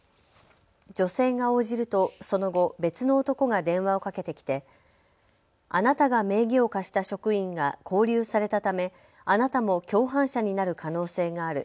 女性が応じるとその後別の男が電話をかけてきてあなたが名義を貸した職員が勾留されたため、あなたも共犯者になる可能性がある。